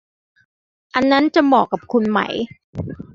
อันนั้นจะเหมาะกับคุณไหม